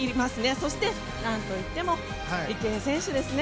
そしてなんといっても池江選手ですね。